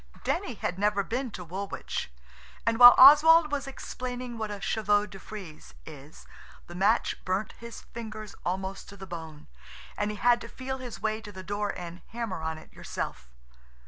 Denny had never been to Woolwich, and while Oswald was explaining what a chevaux de frize is, the match burnt his fingers almost to the bone, and he had to feel his way to the door and hammer on it yourself.